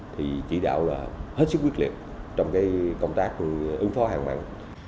thì chỉ đạo là hết sức quyết liệt trong cái công tác ứng phó hạn mặn